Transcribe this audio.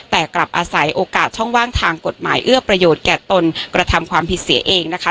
แต่กลับอาศัยโอกาสช่องว่างทางกฎหมายเอื้อประโยชน์แก่ตนกระทำความผิดเสียเองนะคะ